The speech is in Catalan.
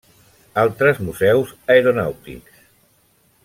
Altres museus aeronàutics.